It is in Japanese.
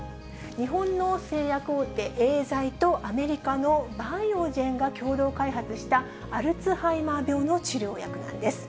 日本の製薬大手、エーザイと、アメリカのバイオジェンが共同開発した、アルツハイマー病の治療薬なんです。